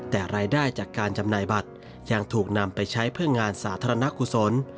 แต่รายได้จากการจำหน่ายบัตรยังถูกนำไปใช้เพื่องานสาธารณกุศล